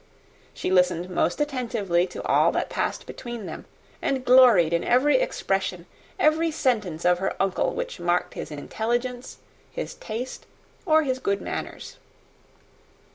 She listened most attentively to all that passed between them, and gloried in every expression, every sentence of her uncle, which marked his intelligence, his taste, or his good manners.